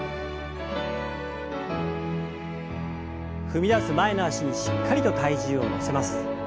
踏み出す前の脚にしっかりと体重を乗せます。